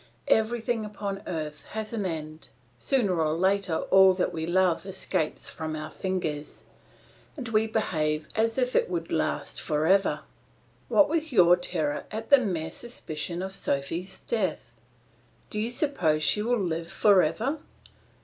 Everything upon earth has an end; sooner or later all that we love escapes from our fingers, and we behave as if it would last for ever. What was your terror at the mere suspicion of Sophy's death? Do you suppose she will live for ever?